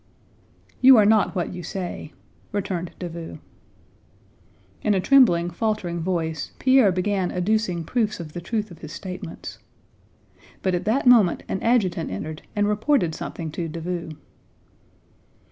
"You are not what you say," returned Davout. In a trembling, faltering voice Pierre began adducing proofs of the truth of his statements. But at that moment an adjutant entered and reported something to Davout.